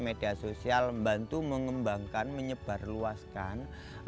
media sosial membantu mengembangkan menyebarluaskan